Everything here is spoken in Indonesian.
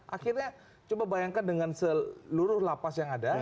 akhirnya coba bayangkan dengan seluruh lapas yang ada